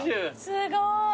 すごい。